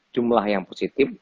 jumlah yang positif